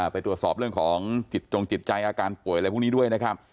ไปตรวจสอบเรื่องของจิตจงจิตใจอาการป่วยอะไรพวกนี้ด้วยนะครับ